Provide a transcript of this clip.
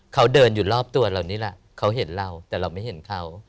เขาเดินอยู่รอบตัวเรานี่แหละเขาเห็นเราแต่เราไม่เห็นเขา